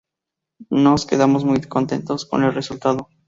Nos quedamos muy contentos con el resultado.